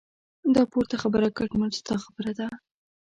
دا پورته خبره کټ مټ ستا خبره ده.